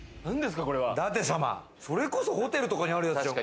それこそホテルとかにあるやつじゃん。